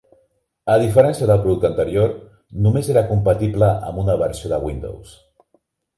A diferència del producte anterior, només era compatible amb una versió de Windows.